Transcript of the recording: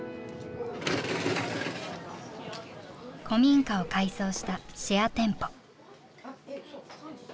古民家を改装したシェア店舗。